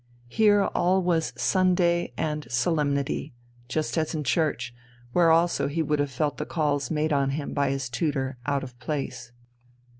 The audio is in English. Here all was Sunday and solemnity, just as in church, where also he would have felt the calls made on him by his tutor out of place.